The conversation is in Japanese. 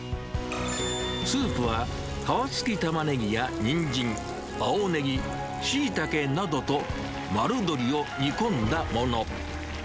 スープは皮つきタマネギやニンジン、青ネギ、シイタケなどと、丸鶏を煮込んだもの。